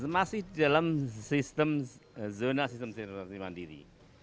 masih dalam sistem zona sistem cimandiri